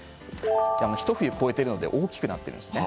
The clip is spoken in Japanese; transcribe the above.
ひと冬越えているので大きくなっていて。